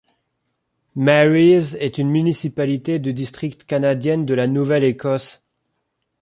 Mary's est une municipalité de district canadienne de la Nouvelle-Écosse.